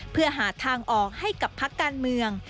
เพื่อหาทางออกให้กับพักการเมือง